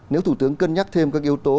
nếu thủ tướng cân nhắc thêm các yếu tố